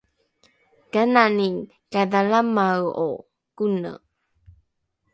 kanani kadhalamae’o kone